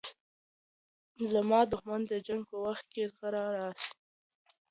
زما دښمن د جنګ په وخت واغوندي زغره راسي